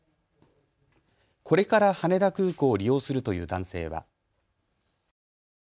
これから羽田空港を利用するという男性は。